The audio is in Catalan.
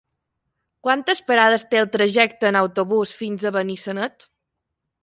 Quantes parades té el trajecte en autobús fins a Benissanet?